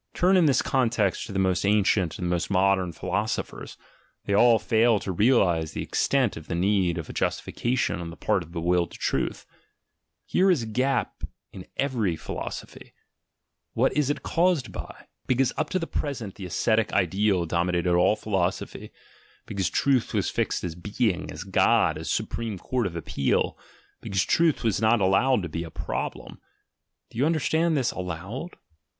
Turn in this context to the most ancient and the most modern philosophers: they all fail to realise the extent of the need of a justification on the part of the Will for Truth — here is a gap in every philosophy — what 1 66 THE GEXEALOGY OF MORALS b it caused by? Because up to the present the ascetic ideal dominated all philosophy, because Truth was fixed as Being, as God, as the Supreme Court of Appeal, because Truth was not allowed to be a problem. Do you under stand this "allowed"?